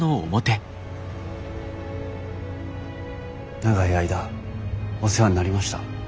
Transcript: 長い間お世話になりました。